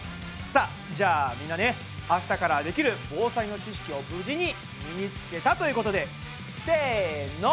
さあじゃあみんなねあしたからできる防災の知識を無事に身につけたということでせの！